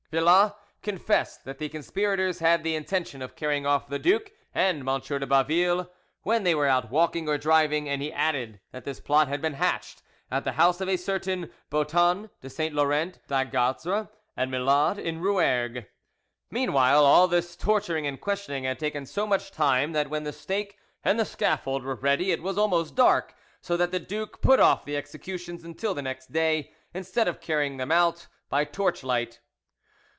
Villas confessed that the conspirators had the intention of carrying off the duke and M. de Baville when they were out walking or driving, and he added that this plot had been hatched at the house of a certain Boeton de Saint Laurent d'Aigozre, at Milhaud, in Rouergue. Meanwhile all this torturing and questioning had taken so much time that when the stake and the scaffold were ready it was almost dark, so that the duke put off the executions until the next day, instead of carrying them out by torchlight.